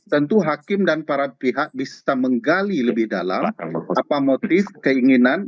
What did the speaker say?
tentu hakim dan para pihak bisa menggali lebih dalam apa motif keinginan